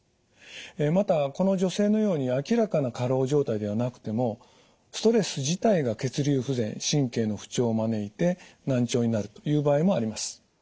またこの女性のように明らかな過労状態ではなくてもストレス自体が血流不全神経の不調を招いて難聴になるという場合もあります。